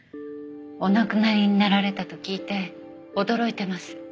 お亡くなりになられたと聞いて驚いてます。